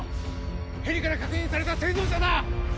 ヘリから確認された生存者だ！